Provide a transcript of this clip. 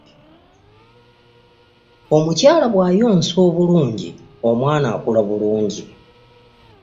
omukyala bw'ayonsa bulungi omwana akula bulungi.